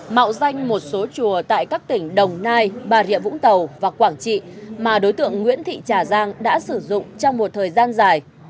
mạo danh một số chùa tại các tỉnh đồng nai bà rịa vũng tàu và quảng trị mà đối tượng nguyễn thị trà giang đã sử dụng trong một thời gian dài